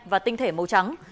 và tinh thể màu trắng